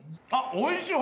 おいしい！